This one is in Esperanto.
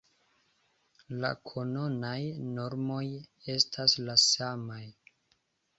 La kanonaj normoj estas la samaj.